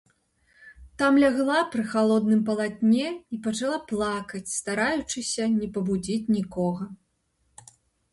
Там лягла пры халодным палатне і пачала плакаць, стараючыся не пабудзіць нікога.